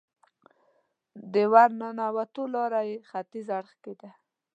د ورننوتو لاره یې ختیځ اړخ کې ده.